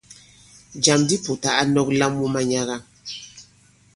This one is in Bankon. Jàm di Pùta a nɔ̄k lam wu manyaga.